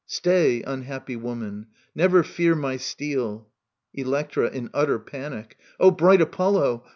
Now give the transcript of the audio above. Stay, Unhappy woman ! Never fear my steel. Electra {in utter panic). O bright Apollo